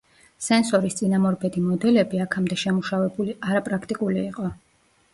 სენსორის წინამორბედი მოდელები, აქამდე შემუშავებული, არაპრაქტიკული იყო.